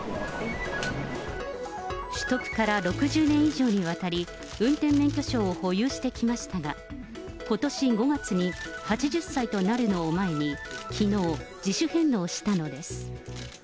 取得から６０年以上にわたり、運転免許証を保有してきましたが、ことし５月に８０歳となるのを前に、きのう自主返納したのです。